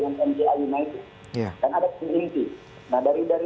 yang tadi yang disebut dengan mca united